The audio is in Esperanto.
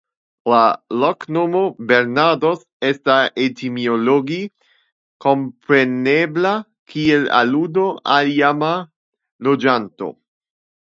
La loknomo "Bernardos" estas etimologie komprenebla kiel aludo al iama loĝanto.